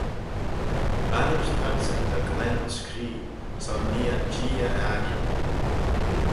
Bannit t'adsyn ta glen ayns cree: son nee ad Jee y akin.